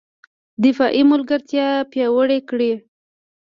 دفاعي ملګرتیا پیاوړې کړي